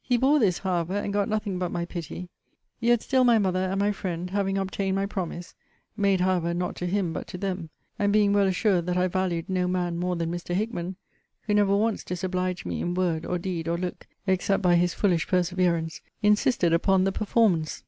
He bore this, however; and got nothing but my pity; yet still my mother, and my friend, having obtained my promise, [made, however, not to him, but to them,] and being well assured that I valued no man more than Mr. Hickman, (who never once disobliged me in word, or deed, or look, except by his foolish perseverance,) insisted upon the performance.